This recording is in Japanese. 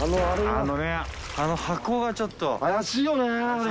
あのねあの箱がちょっと怪しいよね